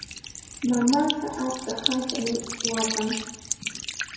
Mamaaqa achka haatami waatan.